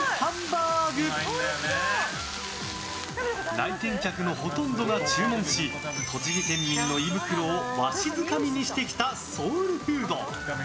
来店客のほとんどが注文し栃木県民の胃袋をわしづかみにしてきたソウルフード。